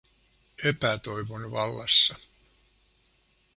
Epätoivon vallassa.